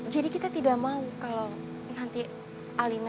jadi kita tidak mau kalau nanti alina